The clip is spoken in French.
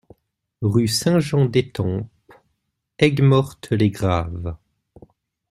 Rue Saint-Jean d'Etampes, Ayguemorte-les-Graves